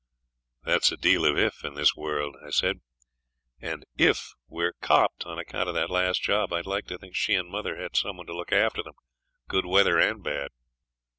'There's a deal of "if" in this world,' I said; 'and "if" we're "copped" on account of that last job, I'd like to think she and mother had some one to look after them, good weather and bad.'